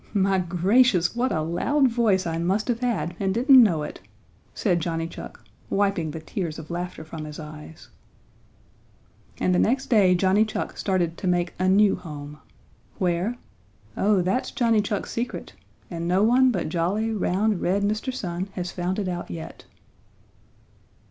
My gracious, what a loud voice I must have had and didn't know it!" said Johnny Chuck, wiping the tears of laughter from his eyes. And the next day Johnny Chuck started to make a new home. Where? Oh, that's Johnny Chuck's secret. And no one but jolly, round, red Mr. Sun has found it out yet.